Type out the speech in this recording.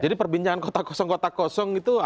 jadi perbincangan kota kosong kota kosong itu